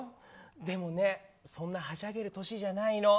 でもね、そんなはしゃげる年じゃないの。